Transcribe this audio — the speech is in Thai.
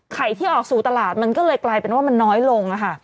ที่ออกสู่ตลาดมันก็เลยกลายเป็นว่ามันน้อยลง